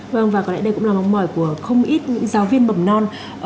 vâng và có lẽ đây cũng là mong mỏi của không ít những giáo viên mầm non